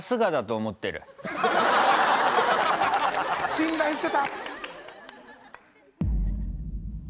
信頼してた。